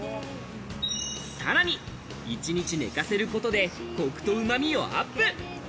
さらに、１日寝かせることで、コクと旨みをアップ。